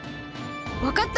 わかった！